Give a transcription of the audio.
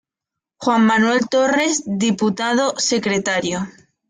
Juan Manuel Torres, diputado secretario.